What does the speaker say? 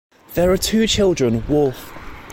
There are two children, Wolf